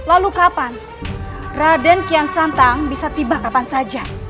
apa yang premier dinda bilang sudah setuduhnya